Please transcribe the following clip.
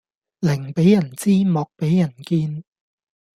寧俾人知莫俾人見